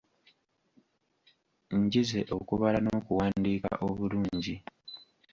Njize okubala n'okuwandiika obulungi.